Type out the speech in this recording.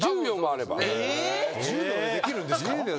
１０秒でできるんですか？